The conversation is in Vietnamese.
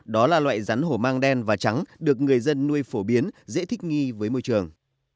đó là loại rắn hổ mang đen và trắng được người dân nuôi phổ biến dễ thích nghi với môi trường